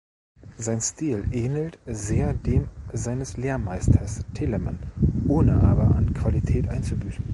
Sein Stil ähnelt sehr dem seines Lehrmeisters Telemann, ohne aber an Qualität einzubüßen.